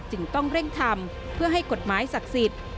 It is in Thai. จึงต้องเร่งทำเพื่อให้กฎหมายศักดิ์สิทธิ์